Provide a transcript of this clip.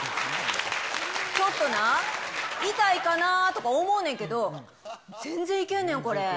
ちょっとな、痛いかなとか思うねんけど、全然いけんねん、これ。